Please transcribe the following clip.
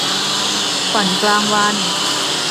ฝันกลางวัน